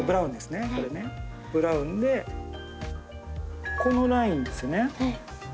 「ブラウンでこのラインですよね」